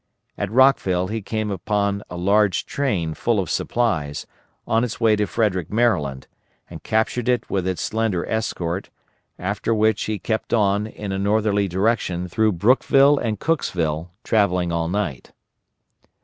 At Rockville he came upon a large train full of supplies, on its way to Frederick, Maryland, and captured it with its slender escort, after which he kept on in a northerly direction through Brookeville and Cookesville, travelling all night.